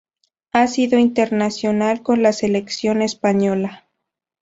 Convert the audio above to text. Ha sido internacional con la selección española.